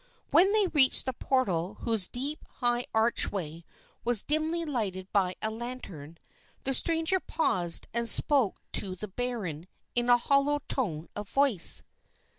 When they reached the portal whose deep, high archway was dimly lighted by a lantern, the stranger paused and spoke to the baron in a hollow tone of voice.